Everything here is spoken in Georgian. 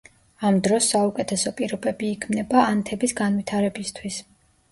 ამ დროს საუკეთესო პირობები იქმნება ანთების განვითარებისთვის.